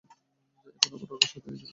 এখন আবার একসাথে দেখতে এসেছো।